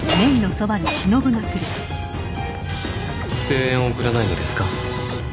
声援を送らないのですか？